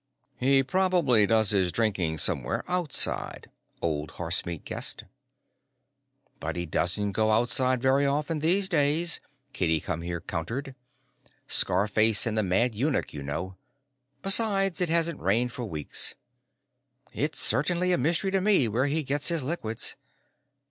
"He probably does his drinking somewhere outside," Old Horsemeat guessed. "But he doesn't go outside very often these days," Kitty Come Here countered. "Scarface and the Mad Eunuch, you know. Besides, it hasn't rained for weeks. It's certainly a mystery to me where he gets his liquids.